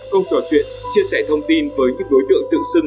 hai công trò chuyện chia sẻ thông tin với các đối tượng tự sưng